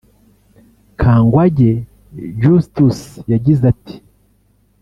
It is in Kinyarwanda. Kangwage Justus yagize ati